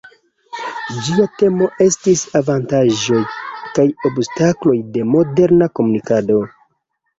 Ĝia temo estis "Avantaĝoj kaj obstakloj de moderna komunikado".